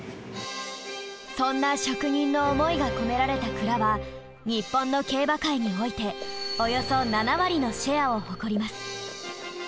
そんな職人の思いが込められた鞍は日本の競馬界においておよそ７割のシェアを誇ります。